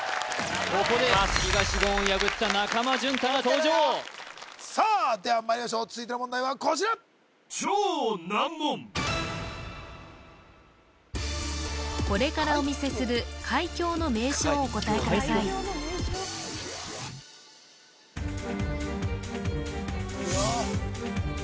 ここで東言を破った中間淳太が登場さあではまいりましょう続いての問題はこちらこれからお見せする海峡の名称をお答えください